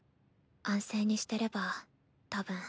安静にしてればたぶん。